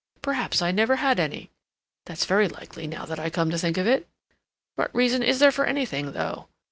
Perhaps I never had any. That's very likely now I come to think of it. (What reason is there for anything, though?)